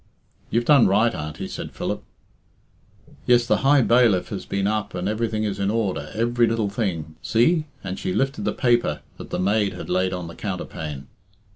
"You've done right, Auntie," said Philip. "Yes, the High Bailiff has been up and everything is in order, every little thing. See," and she lifted the paper that the maid had laid on the counterpane.